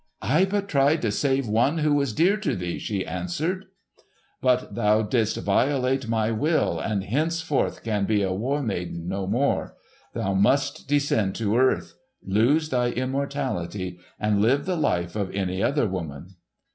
"I but tried to save one who was dear to thee," she answered. "But thou didst violate my will, and henceforth can be a War Maiden no more. Thou must descend to earth, lose thy immortality, and live the life of any other woman."